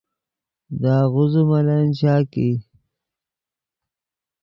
دے آغوزے ملن چاک ای